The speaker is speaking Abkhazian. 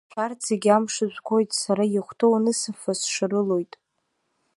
Шәарҭ зегьы амш жәгоит, сара иахәҭоу анысымфа, сшарылоит.